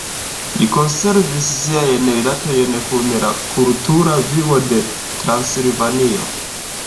Li konservis siajn rilatojn kun la kultura vivo de Transilvanio.